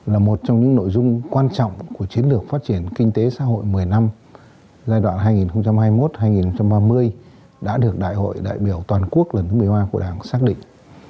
là một trong những nội dung quan trọng của chiến lược phát triển kinh tế xã hội một mươi năm giai đoạn hai nghìn hai mươi một hai nghìn ba mươi đã được đại hội đại biểu toàn quốc lần thứ một mươi ba của đảng xác định